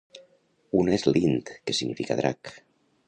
Una és lint, que significa "drac".